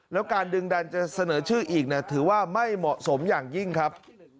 แล้วการดึงดันจะเสนอชื่ออีกถือว่าไม่เหมาะสมอย่างยิ่งครับ